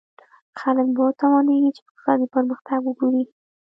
خلک به وتوانېږي چې اقتصادي پرمختګ وګوري.